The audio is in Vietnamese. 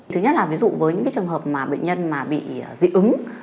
thứ nhất là ví dụ với những trường hợp mà bệnh nhân mà bị dị ứng